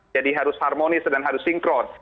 jadi harus harmonis dan harus sinkron